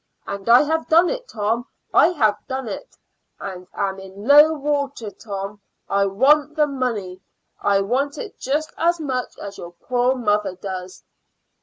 And I have done it, Tom I have done it. I am in low water, Tom. I want the money; I want it just as much as your poor mother does."